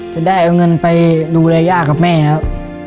จะได้เอาเงินไปดูแลย่ากับแม่ครับ